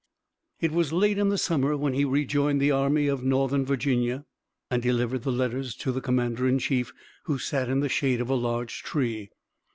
It was late in the summer when he rejoined the Army of Northern Virginia and delivered the letters to the commander in chief, who sat in the shade of a large tree.